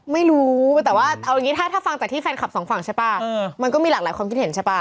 ไม่รู้แต่ว่าเอาอย่างนี้ถ้าฟังจากที่แฟนคลับสองฝั่งใช่ป่ะมันก็มีหลากหลายความคิดเห็นใช่ป่ะ